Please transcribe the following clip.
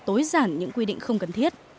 tối giản những quy định không cần thiết